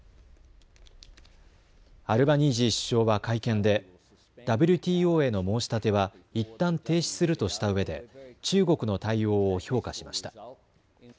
アルバニージー首相は会見でＷＴＯへの申し立てはいったん停止するとしたうえで中国の対応を評価しました。